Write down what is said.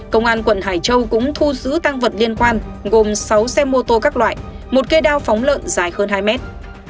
công an quận hải châu cũng thu giữ tăng vật liên quan gồm sáu xe mô tô các loại một cây đao phóng lợn dài hơn hai mét